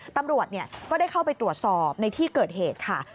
ตำรวจก็ได้เข้าไปตรวจสอบในที่เกิดเหตุค่ะ